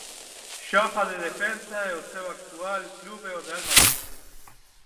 Xoga de defensa e o seu actual club é o Real Madrid.